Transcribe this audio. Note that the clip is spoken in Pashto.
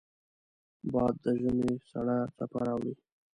باد د ژمې سړه څپه راوړي